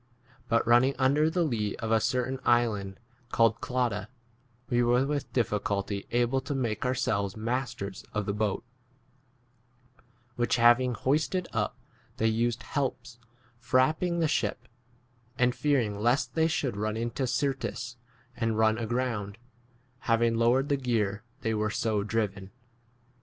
But running under the lee of a certain island called Clauda, we were with difficulty able to make ourselves masters of 1 7 the boat ; which having hoisted up, they used helps, frapping l the ship ; and fearing lest they should 7 run into Syrtis and run aground, having lowered the gear they were 18 so driven.